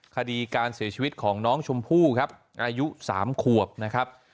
คดีการเสียชีวิตของน้องชมพู่ครับอายุ๓ขวบนะครับ